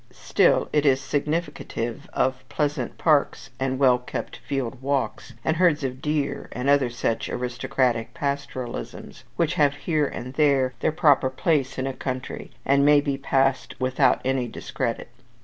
Still it is significative of pleasant parks, and well kept field walks, and herds of deer, and other such aristocratic pastoralisms, which have here and there their proper place in a country, and may be passed without any discredit.